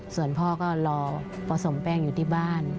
ส่วนพ่อก็รอผสมแป้งอยู่ที่บ้าน